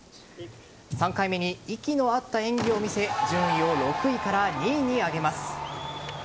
３回目に息の合った演技を見せ順位を６位から２位に上げます。